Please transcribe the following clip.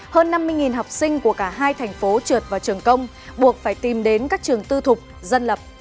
hơn năm mươi học sinh của cả hai thành phố trượt vào trường công buộc phải tìm đến các trường tư thục dân lập